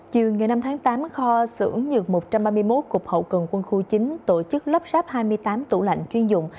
chiều năm tháng tám kho sưởng nhược một trăm ba mươi một cục hậu cần quân khu chín tổ chức lấp ráp hai mươi tám tủ lạnh chuyên dụng